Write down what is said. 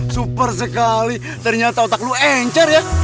super sekali ternyata otak lo encer ya